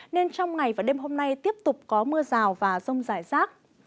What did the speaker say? nên trong ngày và đêm hôm nay tiếp tục có mưa rào và rông rải rác